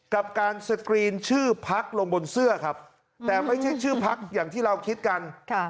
กับการสกรีนชื่อพักลงบนเสื้อครับแต่ไม่ใช่ชื่อพักอย่างที่เราคิดกัน